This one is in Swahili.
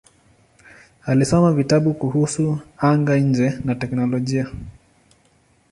Alisoma vitabu kuhusu anga-nje na teknolojia.